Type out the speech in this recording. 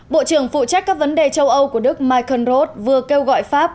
bộ trưởng phụ trách các vấn đề châu âu của đức michael rod vừa kêu gọi pháp